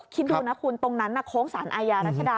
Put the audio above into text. คิดดูนะคุณตรงนั้นโค้งสารอาญารัชดา